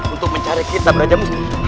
untuk mencari kita brajamus